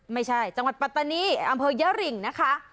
ไม่ใช่จังหวัดปัตตานีอำเภอยะริงนะคะ